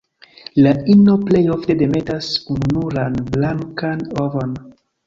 La ino plej ofte demetas ununuran blankan ovon.